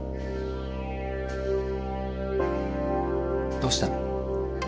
どうしたの？